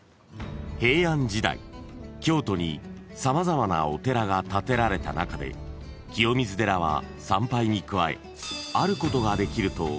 ［平安時代京都に様々なお寺が建てられた中で清水寺は参拝に加え］